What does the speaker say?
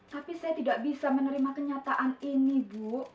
tapi saya tidak bisa menerima kenyataan ini bu